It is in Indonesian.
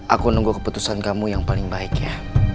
aku nunggu keputusan kamu yang paling baik ya